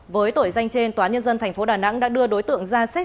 với tội danh trên tnth đà nẵng đã đưa đối tượng ra xét xét